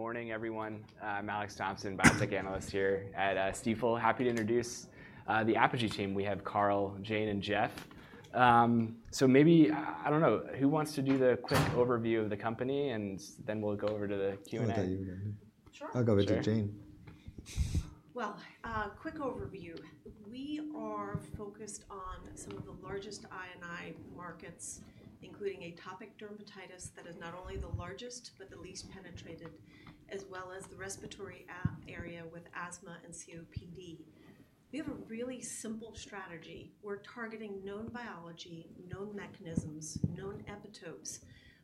Morning, everyone. I'm Alex Thomson, Biotech Analyst here at Stifel. Happy to introduce the Apogee team. We have Carl, Jane, and Jeff. So maybe, I don't know, who wants to do the quick overview of the company, and then we'll go over to the Q&A. Sure. I'll go with Jane. Quick overview. We are focused on some of the largest I&I markets, including atopic dermatitis that is not only the largest but the least penetrated, as well as the respiratory area with asthma and COPD. We have a really simple strategy. We're targeting known biology, known mechanisms, known epitopes,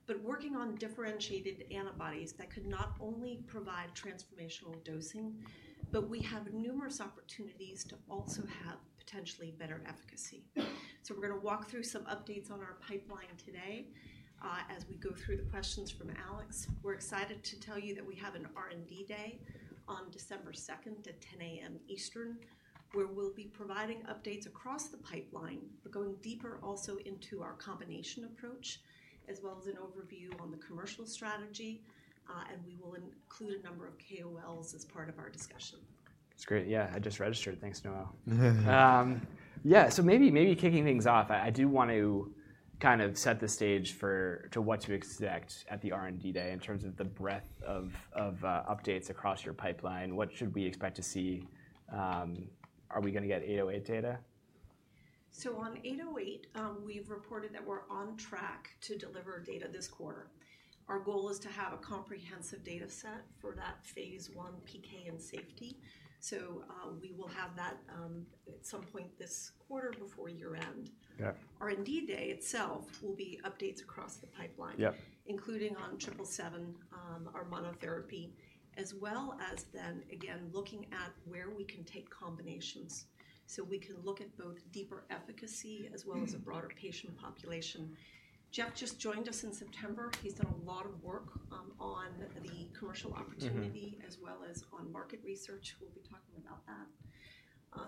but working on differentiated antibodies that could not only provide transformational dosing, but we have numerous opportunities to also have potentially better efficacy. So we're going to walk through some updates on our pipeline today as we go through the questions from Alex. We're excited to tell you that we have an R&D day on December 2 at 10:00 A.M. Eastern, where we'll be providing updates across the pipeline, but going deeper also into our combination approach, as well as an overview on the commercial strategy, and we will include a number of KOLs as part of our discussion. That's great. Yeah, I just registered. Thanks, Noel. Yeah, so maybe kicking things off, I do want to kind of set the stage for what to expect at the R&D day in terms of the breadth of updates across your pipeline. What should we expect to see? Are we going to get 808 data? So on 808, we've reported that we're on track to deliver data this quarter. Our goal is to have a comprehensive data set for that phase I PK and safety. So we will have that at some point this quarter before year-end. R&D day itself will be updates across the pipeline, including on triple seven, our monotherapy, as well as then, again, looking at where we can take combinations. So we can look at both deeper efficacy as well as a broader patient population. Jeff just joined us in September. He's done a lot of work on the commercial opportunity, as well as on market research. We'll be talking about that.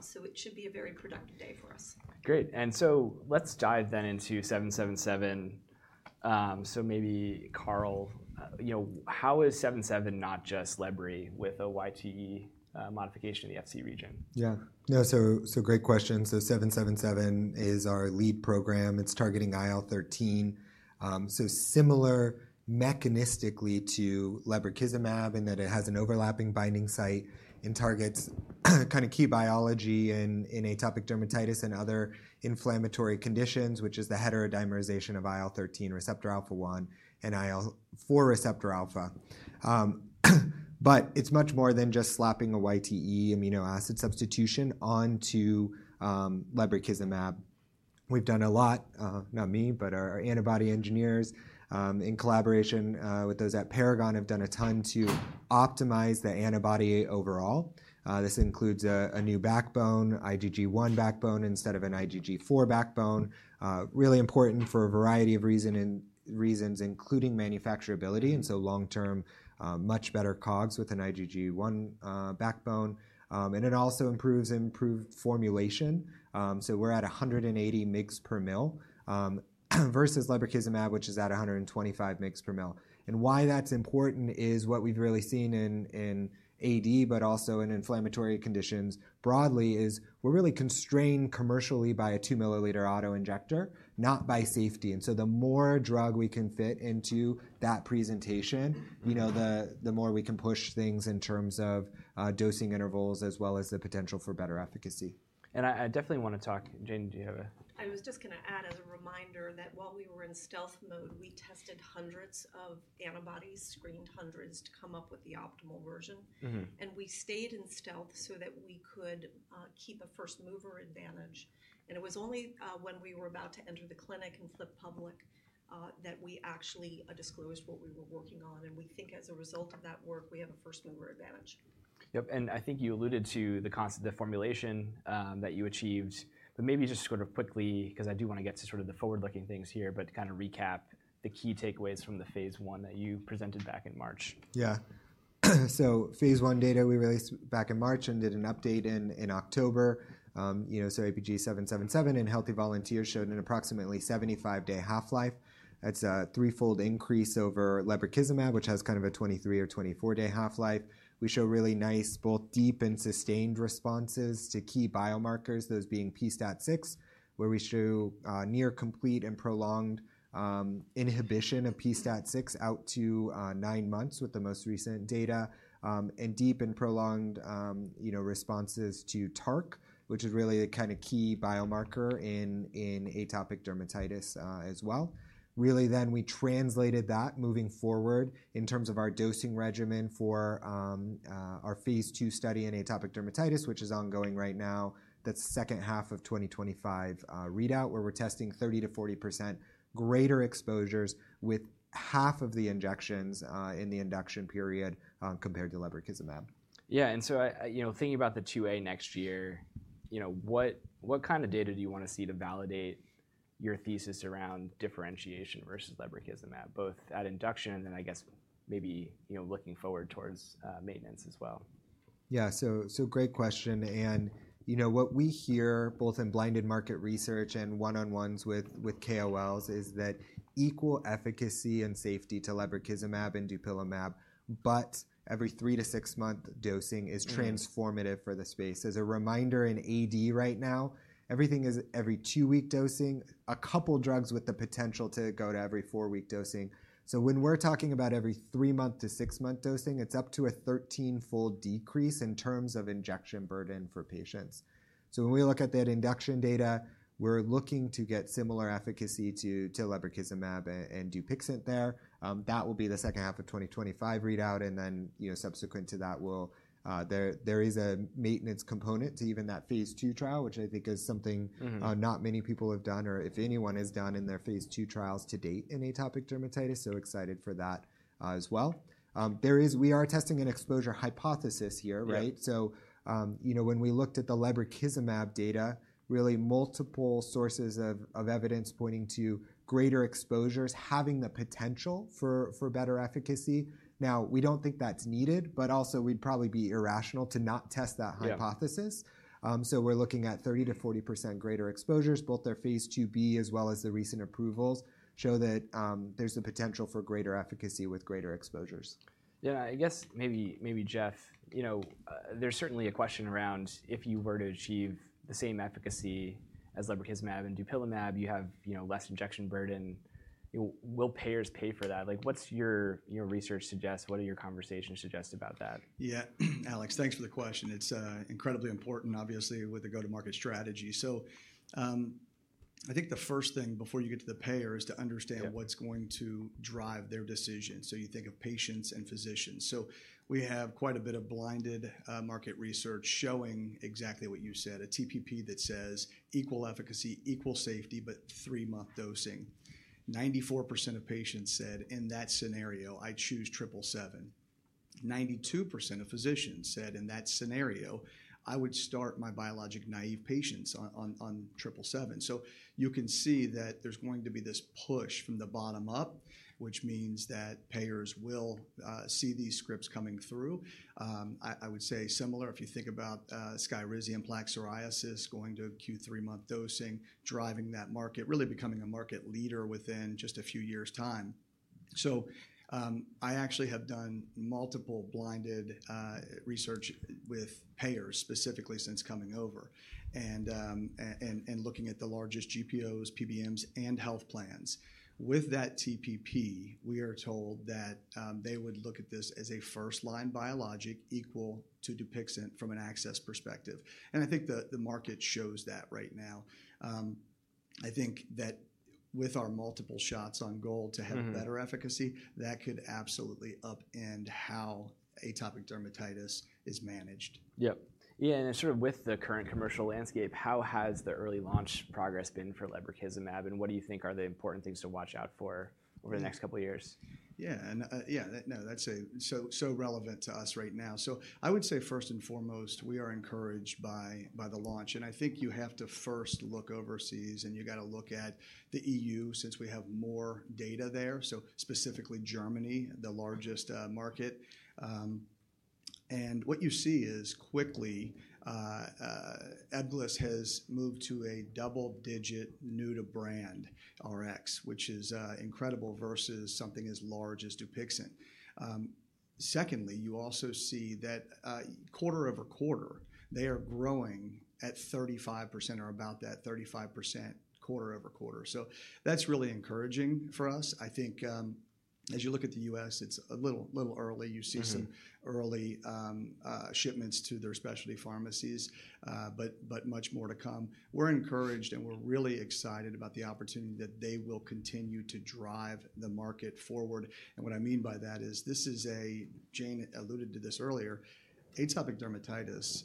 So it should be a very productive day for us. Great. And so let's dive then into 777. So maybe Carl, how is 777 not just Lebrikizumab with a YTE modification in the Fc region? Yeah. No, so great question. So 777 is our lead program. It's targeting IL-13. So similar mechanistically to Lebrikizumab in that it has an overlapping binding site and targets kind of key biology in atopic dermatitis and other inflammatory conditions, which is the heterodimerization of IL-13 receptor alpha-1 and IL-4 receptor alpha. But it's much more than just slapping a YTE amino acid substitution onto Lebrikizumab. We've done a lot, not me, but our antibody engineers in collaboration with those at Paragon have done a ton to optimize the antibody overall. This includes a new backbone, IgG1 backbone instead of an IgG4 backbone. Really important for a variety of reasons, including manufacturability. And so long-term, much better COGS with an IgG1 backbone. And it also improves formulation. So we're at 180 mg/ml versus Lebrikizumab, which is at 125 mg/ml. Why that's important is what we've really seen in AD, but also in inflammatory conditions broadly, is we're really constrained commercially by a two-milliliter autoinjector, not by safety. And so the more drug we can fit into that presentation, the more we can push things in terms of dosing intervals as well as the potential for better efficacy. I definitely want to talk. Jane, do you have a... I was just going to add as a reminder that while we were in stealth mode, we tested hundreds of antibodies, screened hundreds to come up with the optimal version. And we stayed in stealth so that we could keep a first-mover advantage. And it was only when we were about to enter the clinic and flip public that we actually disclosed what we were working on. And we think as a result of that work, we have a first-mover advantage. Yep. And I think you alluded to the formulation that you achieved. But maybe just sort of quickly, because I do want to get to sort of the forward-looking things here, but kind of recap the key takeaways from the phase I that you presented back in March. Yeah. So phase I data we released back in March and did an update in October. So APG777 in healthy volunteers showed an approximately 75-day half-life. It's a threefold increase over Lebrikizumab, which has kind of a 23- or 24-day half-life. We show really nice, both deep and sustained responses to key biomarkers, those being PSTAT6, where we show near complete and prolonged inhibition of pSTAT6 out to nine months with the most recent data, and deep and prolonged responses to TARC, which is really a kind of key biomarker in atopic dermatitis as well. Really then we translated that moving forward in terms of our dosing regimen for our phase two study in atopic dermatitis, which is ongoing right now. That's second half of 2025 readout, where we're testing 30%-40% greater exposures with half of the injections in the induction period compared to Lebrikizumab. Yeah. And so thinking about the 2A next year, what kind of data do you want to see to validate your thesis around differentiation versus Lebrikizumab, both at induction and then I guess maybe looking forward towards maintenance as well? Yeah. So great question. And what we hear both in blinded market research and one-on-ones with KOLs is that equal efficacy and safety to Lebrikizumab and Dupilumab, but every 3- 6 month dosing is transformative for the space. As a reminder, in AD right now, everything is every two-week dosing, a couple of drugs with the potential to go to every four-week dosing. So when we're talking about every 3 month - 6month dosing, it's up to a 13-fold decrease in terms of injection burden for patients. So when we look at that induction data, we're looking to get similar efficacy to Lebrikizumab and Dupixent there. That will be the second half of 2025 readout. Then subsequent to that, there is a maintenance component to even that phase II trial, which I think is something not many people have done, or if anyone has done in their phase II trials to date in atopic dermatitis. Excited for that as well. We are testing an exposure hypothesis here, right? When we looked at the Lebrikizumab data, really multiple sources of evidence pointing to greater exposures having the potential for better efficacy. Now, we don't think that's needed, but also we'd probably be irrational to not test that hypothesis. Yeah We're looking at 30%-40% greater exposures. Both their phase II-B as well as the recent approvals show that there's a potential for greater efficacy with greater exposures. Yeah. I guess maybe, Jeff, there's certainly a question around if you were to achieve the same efficacy as lebrikizumab and dupilumab, you have less injection burden. Will payers pay for that? What's your research suggest? What do your conversations suggest about that? Yeah, Alex, thanks for the question. It's incredibly important, obviously, with the go-to-market strategy. So I think the first thing before you get to the payer is to understand what's going to drive their decision. So you think of patients and physicians. So we have quite a bit of blinded market research showing exactly what you said, a TPP that says equal efficacy, equal safety, but three-month dosing. 94% of patients said, in that scenario, I choose triple seven. 92% of physicians said, in that scenario, I would start my biologic naive patients on triple seven. So you can see that there's going to be this push from the bottom up, which means that payers will see these scripts coming through. I would say similar, if you think about Skyrizi plaque psoriasis going to Q3 month dosing, driving that market, really becoming a market leader within just a few years' time. So I actually have done multiple blinded research with payers specifically since coming over and looking at the largest GPOs, PBMs, and health plans. With that TPP, we are told that they would look at this as a first-line biologic equal to Dupixent from an access perspective. And I think the market shows that right now. I think that with our multiple shots on goal to have better efficacy, that could absolutely upend how atopic dermatitis is managed. Yep. Yeah. And sort of with the current commercial landscape, how has the early launch progress been for Lebrikizumab? And what do you think are the important things to watch out for over the next couple of years? Yeah. And yeah, no, that's so relevant to us right now. So I would say first and foremost, we are encouraged by the launch. And I think you have to first look overseas, and you got to look at the EU since we have more data there. So specifically Germany, the largest market. And what you see is quickly Ebglyss has moved to a double-digit new-to-brand Rx, which is incredible versus something as large as Dupixent. Secondly, you also see that quarter over quarter, they are growing at 35% or about that 35% quarter over quarter. So that's really encouraging for us. I think as you look at the U.S., it's a little early. You see some early shipments to their specialty pharmacies, but much more to come. We're encouraged, and we're really excited about the opportunity that they will continue to drive the market forward. And what I mean by that is, this is a, Jane alluded to this earlier, atopic dermatitis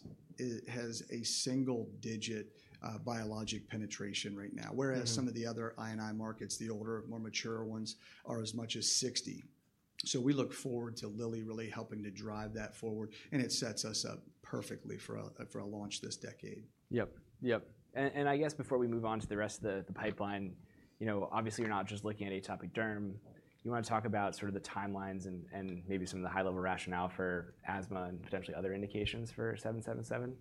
has a single-digit biologic penetration right now, whereas some of the other I&I markets, the older, more mature ones, are as much as 60%. So we look forward to Lilly really helping to drive that forward. And it sets us up perfectly for a launch this decade. Yep. Yep. And I guess before we move on to the rest of the pipeline, obviously you're not just looking at atopic derm. You want to talk about sort of the timelines and maybe some of the high-level rationale for asthma and potentially other indications for 777?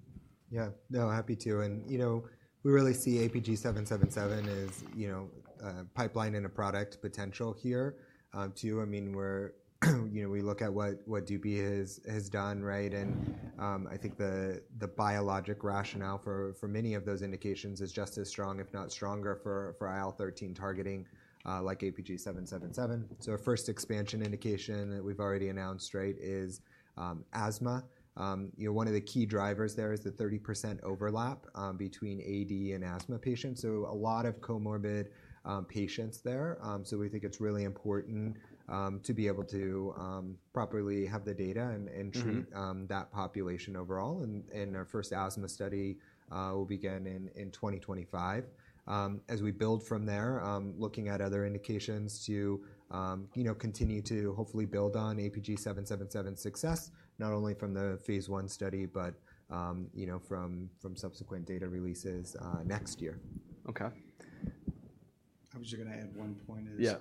Yeah. No, happy to, and we really see APG 777 as pipeline and a product potential here too. I mean, we look at what Dupi has done, right, and I think the biologic rationale for many of those indications is just as strong, if not stronger, for IL-13 targeting like APG 777, so a first expansion indication that we've already announced, right, is asthma. One of the key drivers there is the 30% overlap between AD and asthma patients, so a lot of comorbid patients there, so we think it's really important to be able to properly have the data and treat that population overall, and our first asthma study will begin in 2025. As we build from there, looking at other indications to continue to hopefully build on APG 777 success, not only from the phase I study, but from subsequent data releases next year. Okay I was just going to add one point. Yeah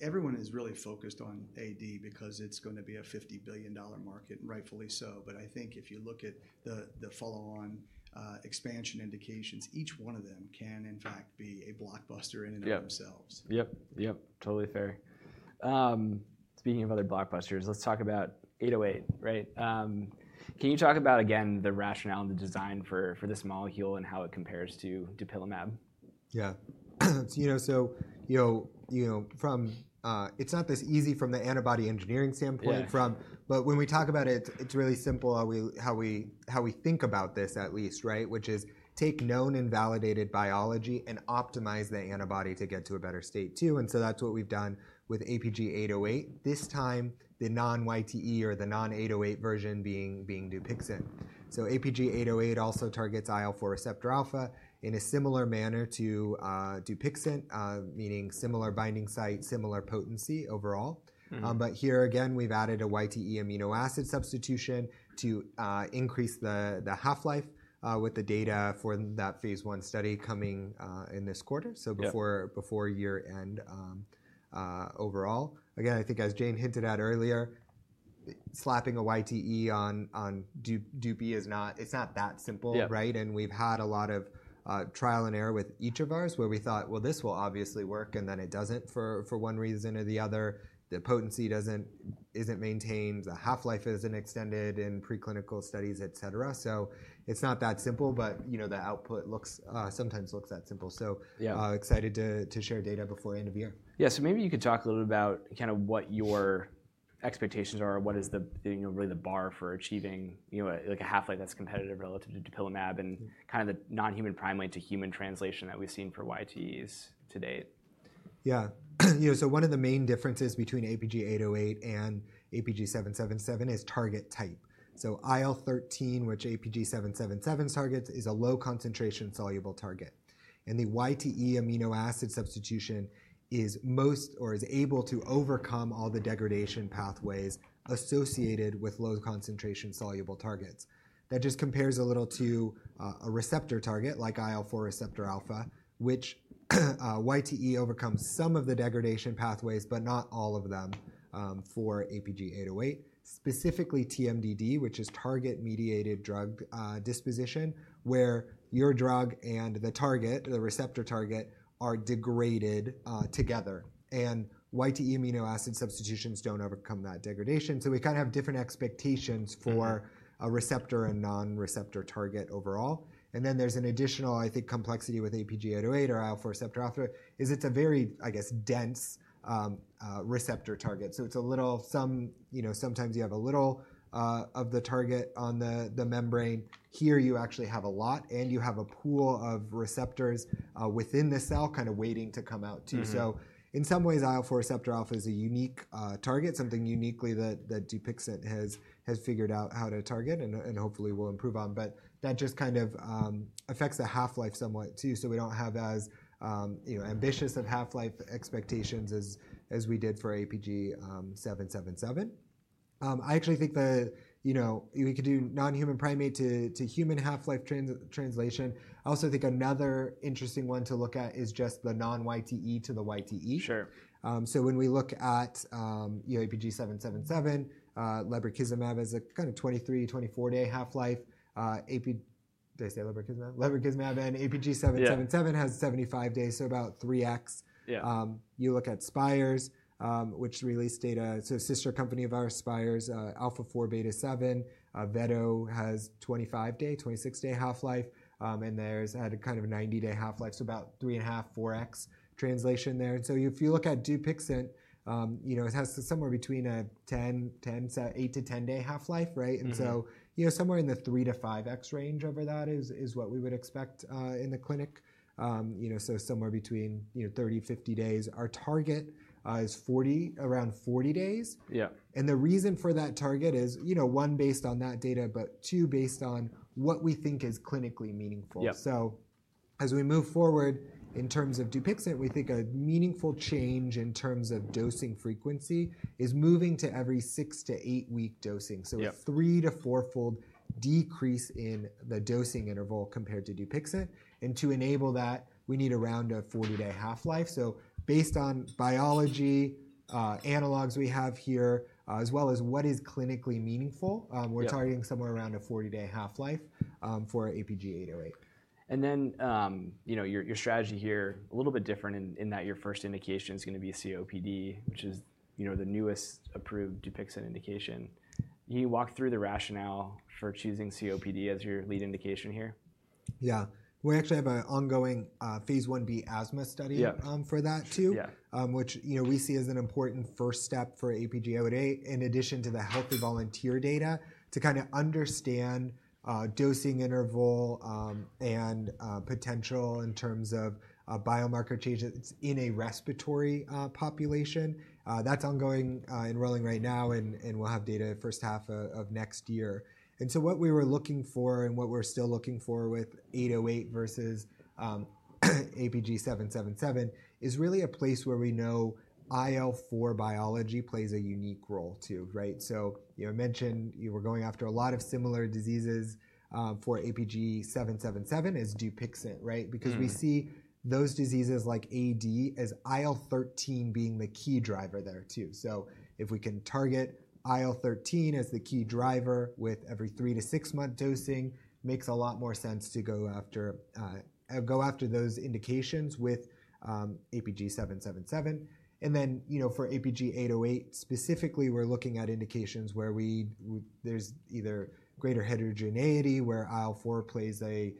Everyone is really focused on AD because it's going to be a $50 billion market, and rightfully so. But I think if you look at the follow-on expansion indications, each one of them can in fact be a blockbuster in and of themselves. Yep. Yep. Totally fair. Speaking of other blockbusters, let's talk about 808, right? Can you talk about again the rationale and the design for this molecule and how it compares to dupilumab? Yeah. So it's not this easy from the antibody engineering standpoint, but when we talk about it, it's really simple how we think about this at least, right? Which is, take known and validated biology and optimize the antibody to get to a better state, too. And so that's what we've done with APG 808, this time the non-YTE or the non-808 version being Dupixent. So APG 808 also targets IL-4 receptor alpha in a similar manner to Dupixent, meaning similar binding site, similar potency overall. But here again, we've added a YTE amino acid substitution to increase the half-life, with the data for that phase one study coming in this quarter, Yeah so before year-end overall. Again, I think as Jane hinted at earlier, slapping a YTE on Dupi is not that simple, right? Yeah And we've had a lot of trial and error with each of ours where we thought, well, this will obviously work, and then it doesn't for one reason or the other. The potency isn't maintained. The half-life isn't extended in preclinical studies, et cetera. So it's not that simple, but the output sometimes looks that simple. Yeah So excited to share data before end of year. Yeah. So maybe you could talk a little bit about kind of what your expectations are, what is really the bar for achieving a half-life that's competitive relative to dupilumab and kind of the non-human primate to human translation that we've seen for YTEs to date. Yeah. So one of the main differences between APG808 and APG777 is target type. So IL-13, which APG777 targets, is a low-concentration soluble target. And the YTE amino acid substitution is most or is able to overcome all the degradation pathways associated with low-concentration soluble targets. That just compares a little to a receptor target like IL-4 receptor alpha, which YTE overcomes some of the degradation pathways, but not all of them for APG808. Specifically TMDD, which is target-mediated drug disposition, where your drug and the target, the receptor target, are degraded together. And YTE amino acid substitutions don't overcome that degradation. So we kind of have different expectations for a receptor and non-receptor target overall. And then there's an additional, I think, complexity with APG808 or IL-4 receptor alpha is it's a very, I guess, dense receptor target. So it's a little. Sometimes you have a little of the target on the membrane. Here you actually have a lot, and you have a pool of receptors within the cell kind of waiting to come out too. So in some ways, IL-4 receptor alpha is a unique target, something uniquely that Dupixent has figured out how to target and hopefully will improve on. But that just kind of affects the half-life somewhat too. So we don't have as ambitious of half-life expectations as we did for APG 777. I actually think we could do non-human primate to human half-life translation. I also think another interesting one to look at is just the non-YTE to the YTE. Sure So when we look at APG 777, Lebrikizumab has a kind of 23-24-day half-life. Did I say Lebrikizumab? Lebrikizumab and APG 777 has 75 days, so about 3x. Yeah You look at Spyre, which released data. So sister company of ours, Spyre, alpha 4 beta 7, Vedolizumab has 25-day, 26-day half-life. And there's kind of a 90-day half-life, so about 3.5-4x translation there. So if you look at Dupixent, it has somewhere between an 8- to 10-day half-life, right? And so somewhere in the 3- to 5x range over that is what we would expect in the clinic. So somewhere between 30-50 days. Our target is around 40 days. And the reason for that target is one, based on that data, but two, based on what we think is clinically meaningful. Yeah So as we move forward in terms of Dupixent, we think a meaningful change in terms of dosing frequency is moving to every 6- 8-week dosing. So a 3- to 4-fold decrease in the dosing interval compared to Dupixent. To enable that, we need around a 40-day half-life. Based on biology, analogs we have here, as well as what is clinically meaningful, Yeah we're targeting somewhere around a 40-day half-life for APG808. And then your strategy here, a little bit different in that your first indication is going to be COPD, which is the newest approved Dupixent indication. Can you walk through the rationale for choosing COPD as your lead indication here? Yeah. We actually have an ongoing phase II-B asthma study for that too, which we see as an important first step for APG808 in addition to the healthy volunteer data to kind of understand dosing interval and potential in terms of biomarker changes in a respiratory population. That's ongoing, enrolling right now, and we'll have data first half of next year. And so what we were looking for and what we're still looking for with 808 versus APG777 is really a place where we know IL-4 biology plays a unique role too, right? So I mentioned you were going after a lot of similar diseases for APG777 as Dupixent, right? Because we see those diseases like AD as IL-13 being the key driver there too. So if we can target IL-13 as the key driver with every 3-6month dosing, it makes a lot more sense to go after those indications with APG 777. And then for APG 808 specifically, we're looking at indications where there's either greater heterogeneity where IL-4 plays a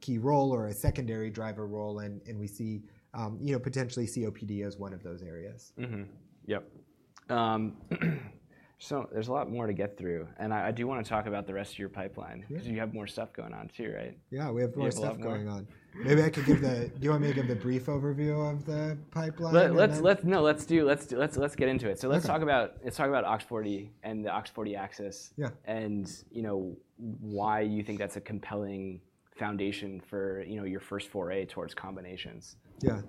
key role or a secondary driver role, and we see potentially COPD as one of those areas. Yep. So there's a lot more to get through. And I do want to talk about the rest of your pipeline because you have more stuff going on too, right? Yeah, we have more stuff going on. Maybe I could give the... do you want me to give the brief overview of the pipeline? No, let's do. Let's get into it. So let's talk about OX40 and the OX40 axis Yeah And why you think that's a compelling foundation for your first foray towards combinations. Yeah.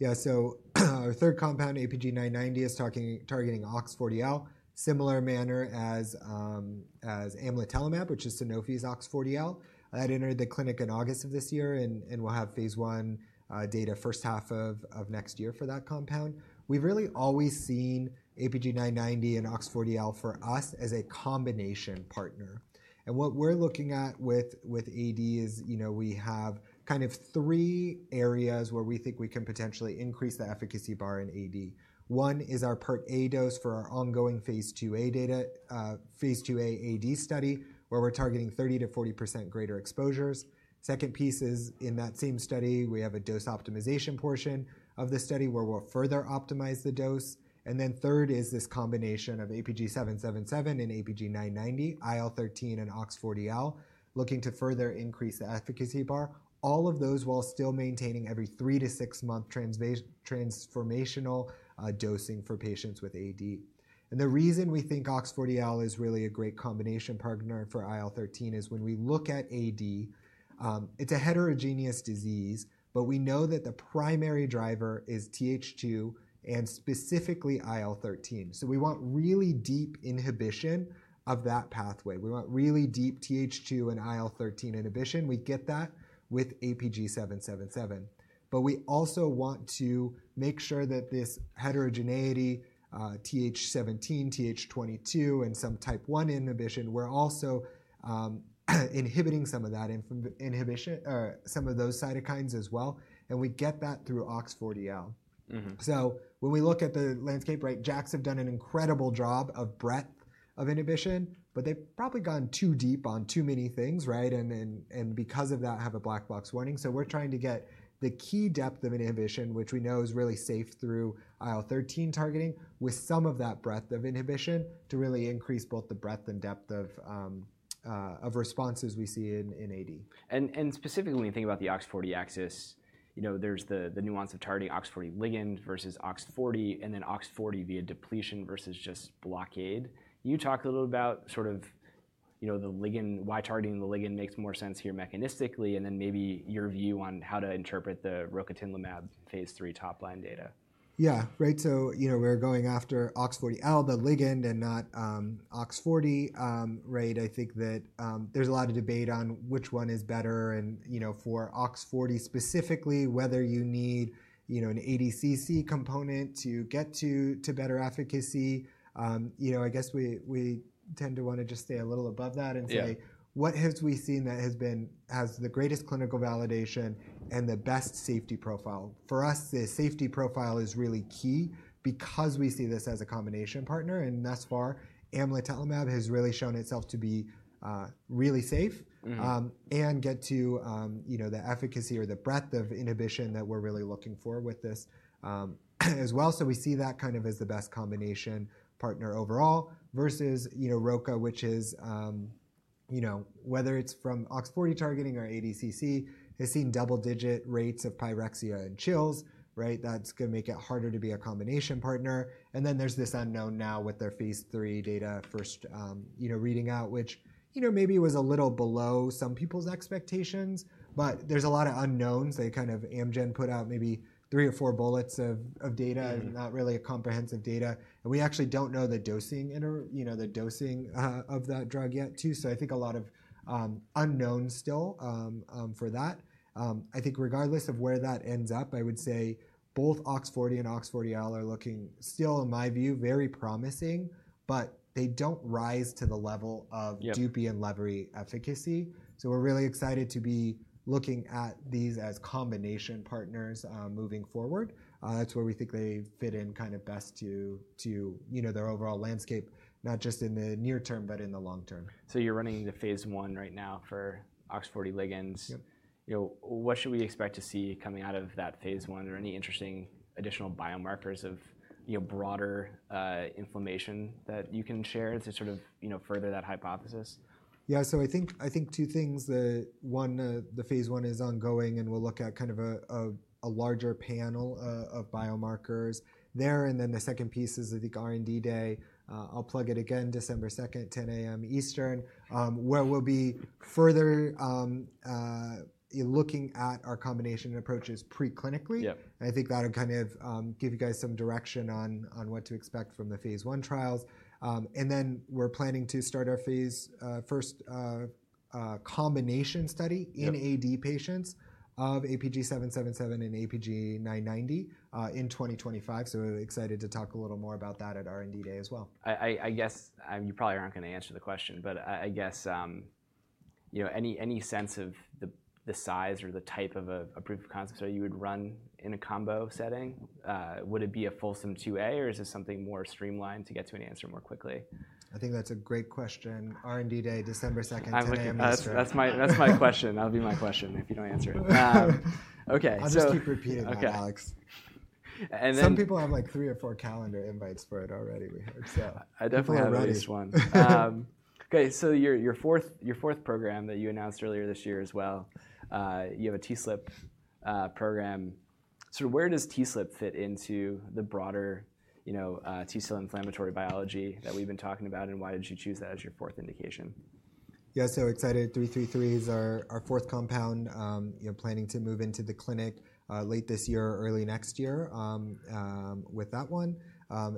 Yeah. So our third compound, APG990, is targeting OX40L, similar manner as Amlitelimab, which is Sanofi's OX40L. That entered the clinic in August of this year, and we'll have phase one data first half of next year for that compound. We've really always seen APG990 and OX40L for us as a combination partner. And what we're looking at with AD is we have kind of three areas where we think we can potentially increase the efficacy bar in AD. One is our part A dose for our ongoing phase II-A AD study where we're targeting 30%-40% greater exposures. Second piece is in that same study, we have a dose optimization portion of the study where we'll further optimize the dose. And then third is this combination of APG777 and APG990, IL-13 and OX40L, looking to further increase the efficacy bar, all of those while still maintaining every 3-6 month transformational dosing for patients with AD. The reason we think OX40L is really a great combination partner for IL-13 is when we look at AD, it's a heterogeneous disease, but we know that the primary driver is Th2 and specifically IL-13. We want really deep inhibition of that pathway. We want really deep Th2 and IL-13 inhibition. We get that with APG777. We also want to make sure that this heterogeneity, Th17, Th22, and some type 1 inhibition, we're also inhibiting some of that inhibition, some of those cytokines as well. We get that through OX40L. So when we look at the landscape, right, JAKs have done an incredible job of breadth of inhibition, but they've probably gone too deep on too many things, right? And because of that, have a black box warning. So we're trying to get the key depth of inhibition, which we know is really safe through IL-13 targeting with some of that breadth of inhibition to really increase both the breadth and depth of responses we see in AD. And specifically when you think about the OX40 axis, there's the nuance of targeting OX40 ligand versus OX40, and then OX40 via depletion versus just blockade. Can you talk a little about sort of the ligand, why targeting the ligand makes more sense here mechanistically, and then maybe your view on how to interpret the rocatinlimab phase three top line data? Yeah, right. So we're going after OX40L, the ligand, and not OX40, right? I think that there's a lot of debate on which one is better. And for OX40 specifically, whether you need an ADCC component to get to better efficacy, I guess we tend to want to just stay a little above that and say, what have we seen that has the greatest clinical validation and the best safety profile? For us, the safety profile is really key because we see this as a combination partner. And thus far, Amlitelimab has really shown itself to be really safe and get to the efficacy or the breadth of inhibition that we're really looking for with this as well. We see that kind of as the best combination partner overall versus Roca, which is whether it's from OX40 targeting or ADCC, has seen double-digit rates of pyrexia and chills, right? That's going to make it harder to be a combination partner. And then there's this unknown now with their phase III data first reading out, which maybe was a little below some people's expectations, but there's a lot of unknowns. Then Amgen put out maybe three or four bullets of data and not really a comprehensive data. And we actually don't know the dosing of that drug yet too. So I think a lot of unknowns still for that. I think regardless of where that ends up, I would say both OX40 and OX40L are looking still, in my view, very promising, but they don't rise to the level of Dupi and lebrikizumab efficacy. So we're really excited to be looking at these as combination partners moving forward. That's where we think they fit in kind of best to their overall landscape, not just in the near term, but in the long term. So you're running the phase I right now for OX40 ligands. What should we expect to see coming out of that phase I? Are there any interesting additional biomarkers of broader inflammation that you can share to sort of further that hypothesis? Yeah. So I think two things. One, the phase I is ongoing, and we'll look at kind of a larger panel of biomarkers there. And then the second piece is the R&D day. I'll plug it again, December 2nd, 10:00 A.M. Eastern, where we'll be further looking at our combination approaches preclinically. Yeah I think that'll kind of give you guys some direction on what to expect from the phase I trials. And then we're planning to start our phase Icombination study in AD patients of APG 777 and APG 990 in 2025. So we're excited to talk a little more about that at R&D day as well. I guess you probably aren't going to answer the question, but I guess any sense of the size or the type of a proof of concept that you would run in a combo setting? Would it be a fulsome 2A, or is this something more streamlined to get to an answer more quickly? I think that's a great question. R&D day, December 2nd, 10:00 A.M. Eastern. That's my question. That'll be my question if you don't answer it. Okay. I'll just keep repeating that, Alex. Some people have like three or four calendar invites for it already, we heard, so. I definitely have my first one. Okay. So, your fourth program that you announced earlier this year as well, you have a TSLP program. Sort of, where does TSLP fit into the broader T cell inflammatory biology that we've been talking about, and why did you choose that as your fourth indication? Yeah, so excited. APG333 is our fourth compound, planning to move into the clinic late this year, early next year with that one.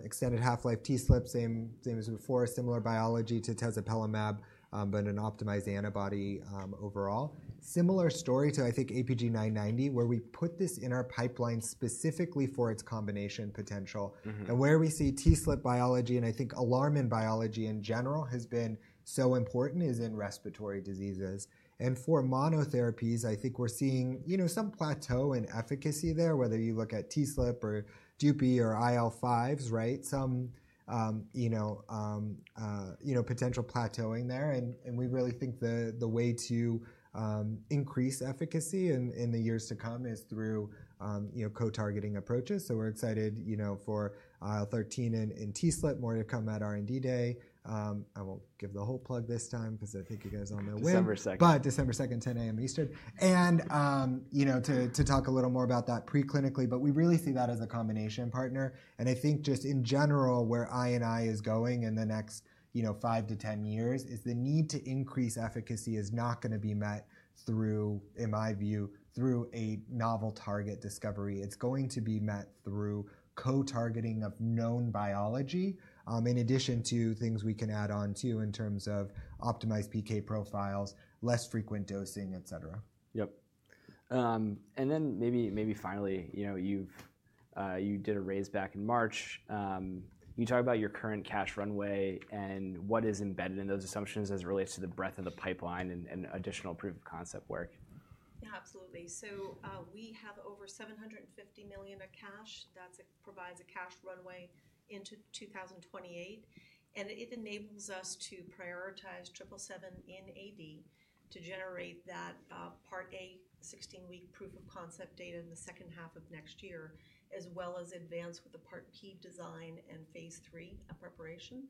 Extended half-life TSLP, same as before, similar biology to Tezepelumab, but an optimized antibody overall. Similar story to, I think, APG990, where we put this in our pipeline specifically for its combination potential. And where we see TSLP biology, and I think alarmin biology in general has been so important, is in respiratory diseases. And for monotherapies, I think we're seeing some plateau in efficacy there, whether you look at TSLP or Dupi or IL-5s, right? Some potential plateauing there. And we really think the way to increase efficacy in the years to come is through co-targeting approaches. So we're excited for IL-13 and TSLP more to come at R&D day. I won't give the whole plug this time because I think you guys all know when. December 2nd. But December 2nd, 10:00 A.M. Eastern. And to talk a little more about that preclinically, but we really see that as a combination partner. And I think just in general, where I&I is going in the next five to ten years is the need to increase efficacy is not going to be met, in my view, through a novel target discovery. It's going to be met through co-targeting of known biology in addition to things we can add on to in terms of optimized PK profiles, less frequent dosing, etc. Yep. And then maybe finally, you did a raise back in March. Can you talk about your current cash runway and what is embedded in those assumptions as it relates to the breadth of the pipeline and additional proof of concept work? Yeah, absolutely, so we have over $750 million of cash that provides a cash runway into 2028, and it enables us to prioritize triple seven in AD to generate that Part A, 16-week proof of concept data in the second half of next year, as well as advance with the Part B design and phase III preparation,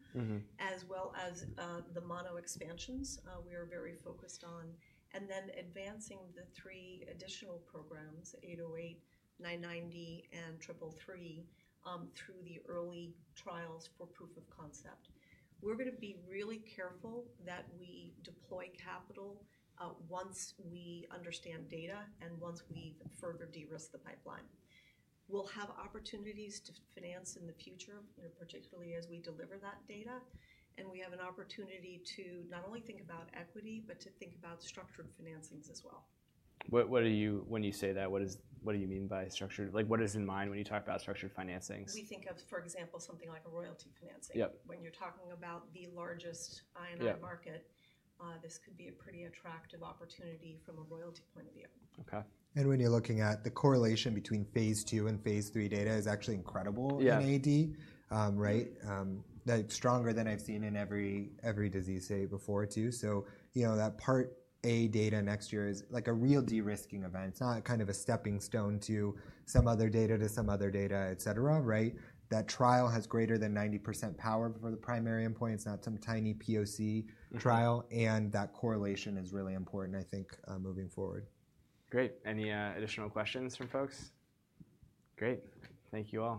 as well as the mono expansions we are very focused on, and then advancing the three additional programs, 808, 990, and triple three through the early trials for proof of concept. We're going to be really careful that we deploy capital once we understand data and once we've further de-risked the pipeline. We'll have opportunities to finance in the future, particularly as we deliver that data, and we have an opportunity to not only think about equity, but to think about structured financings as well. When you say that, what do you mean by structured? What is in mind when you talk about structured financings? We think of, for example, something like a royalty financing. When you're talking about the largest I&I market, this could be a pretty attractive opportunity from a royalty point of view. Okay. When you're looking at the correlation between phase II and phase III data is actually incredible in AD, right? That's stronger than I've seen in every disease study before too. That Part A data next year is like a real de-risking event, kind of a stepping stone to some other data to some other data, etc., right? That trial has greater than 90% power for the primary endpoint, it's not some tiny POC trial. That correlation is really important, I think, moving forward. Great. Any additional questions from folks? Great. Thank you all.